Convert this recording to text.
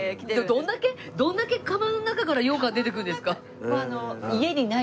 どんだけどんだけかばんの中から羊羹出てくるんですか？